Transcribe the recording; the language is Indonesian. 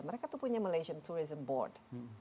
mereka tuh punya malaysian tourism board